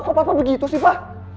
kok papa begitu sih pak